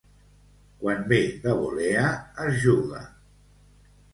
Quan ve de volea, es juga.